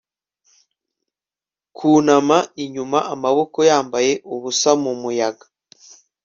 Kwunama inyuma amaboko yambaye ubusa mumuyaga